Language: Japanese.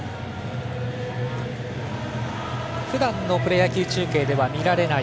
ふだんのプロ野球中継では見られない